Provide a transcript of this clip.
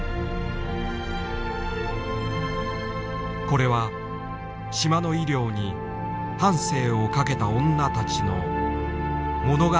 これは島の医療に半生を懸けた女たちの物語である。